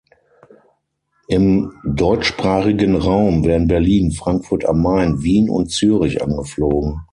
Im deutschsprachigen Raum werden Berlin, Frankfurt am Main, Wien und Zürich angeflogen.